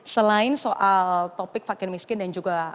selain soal topik fakir miskin dan juga